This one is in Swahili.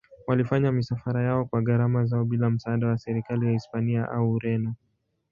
Walifanya misafara yao kwa gharama zao bila msaada wa serikali ya Hispania au Ureno.